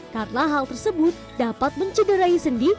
karena hal tersebut dapat mencederai sendi